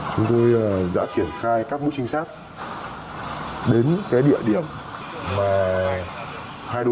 chúng tôi đã triển khai các mũ trinh sát đến cái địa điểm mà hai đối tượng đã hẹn nhau từ trước